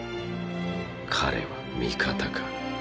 彼は味方か